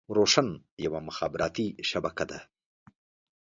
روشن يوه مخابراتي شبکه ده.